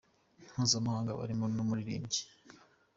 mpuzamahanga barimo n’umuririmbyi.